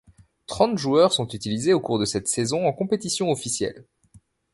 Trente joueurs sont utilisés au cours de cette saison en compétitions officielles.